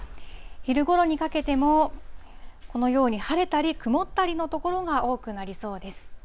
昼ごろにかけても、このように晴れたり曇ったりの所が多くなりそうです。